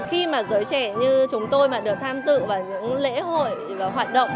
khi mà giới trẻ như chúng tôi mà được tham dự vào những lễ hội hoạt động